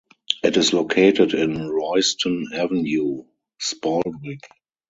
It is located in Royston Avenue, Spaldwick.